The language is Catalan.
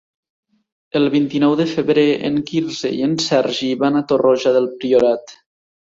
El vint-i-nou de febrer en Quirze i en Sergi van a Torroja del Priorat.